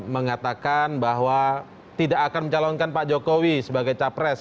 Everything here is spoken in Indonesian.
mengatakan bahwa tidak akan mencalonkan pak jokowi sebagai capres